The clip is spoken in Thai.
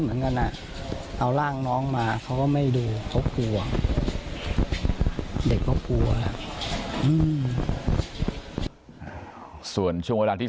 ครอบครัวไม่ได้อาฆาตแต่มองว่ามันช้าเกินไปแล้วที่จะมาแสดงความรู้สึกในตอนนี้